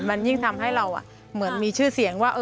มันยิ่งทำให้เราเหมือนมีชื่อเสียงว่า